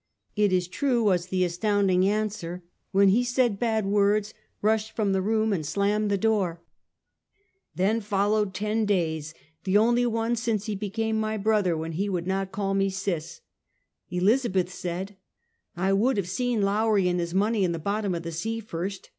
" It is true," was the astounding answer, when he said bad words, rushed from the room and slammed the door. 180 ' Half a Centuky. Then followed ten days, the only ones since he be came my brother when he would not call me "Sis." Elizabeth said: " I would have seen Lowrie and his money in the bottom of the sea, first!